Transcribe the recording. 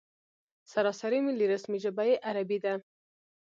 سراسري ملي رسمي ژبه یې عربي ده.